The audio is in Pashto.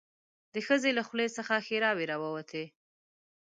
د ښځې له خولې څخه ښيراوې راووتې.